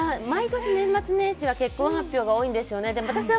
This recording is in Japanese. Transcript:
毎年、年末年始は結婚発表が多いですよね。